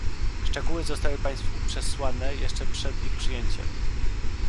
Szczegóły zostały państwu przesłane jeszcze przed ich przyjęciem